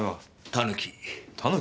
タヌキ？